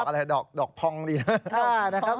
อันนี้ว่าดอกอะไรดอกพองดีนะ